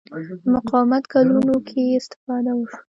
د مقاومت کلونو کې استفاده وشوه